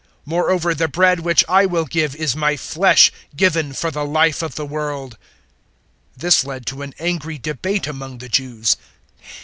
Moreover the bread which I will give is my flesh given for the life of the world." 006:052 This led to an angry debate among the Jews.